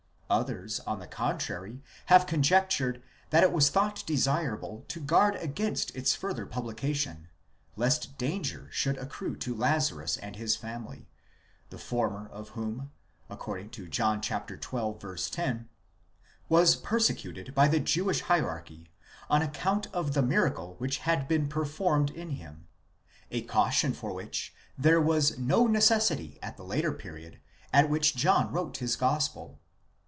others, on the contrary, have con jectured that it was thought desirable to guard against its further publication, lest danger should accrue to Lazarus and his family, the former of whom, according to John xii. 10, was persecuted by the Jewish hierarchy on account of the miracle which had been preformed in him; a caution for which there was no necessity at the later period at which John wrote his gospel.